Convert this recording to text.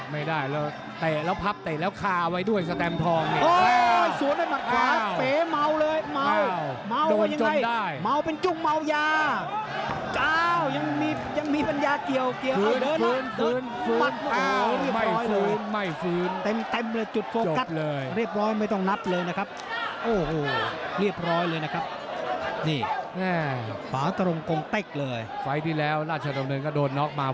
ไม่ได้แล้วเตะแล้วพับเตะแล้วคาเอาไว้ด้วยสแตมทองเนี่ย